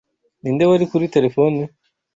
Ninde wari kuri terefone?